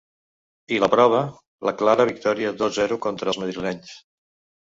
I la prova, la clara victòria dos-zero contra els madrilenys.